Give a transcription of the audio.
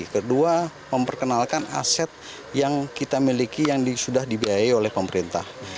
kedua memperkenalkan aset yang kita miliki yang sudah dibiayai oleh pemerintah